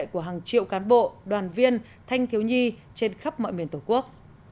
của hàng triệu cán bộ đoàn viên thanh thiếu nhi trên khắp mọi miền tổ quốc